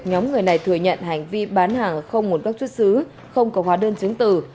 nhóm người này thừa nhận hành vi bán hàng không nguồn gốc xuất xứ không có hóa đơn chứng từ